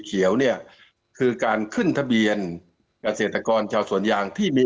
เขียวเนี่ยคือการขึ้นทะเบียนเกษตรกรชาวสวนยางที่มี